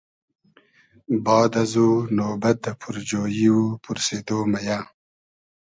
باد ازو نوبئد دۂ پورجویی و پورسیدۉ مئیۂ